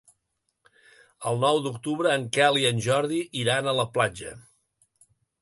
El nou d'octubre en Quel i en Jordi iran a la platja.